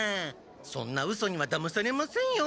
そんなうそにはだまされませんよ。